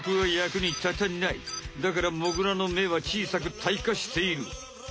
だからモグラの目は小さくたいかしている。